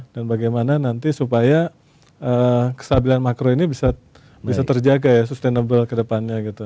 bagaimana nanti supaya kestabilan makro ini bisa terjaga ya sustainable kedepannya gitu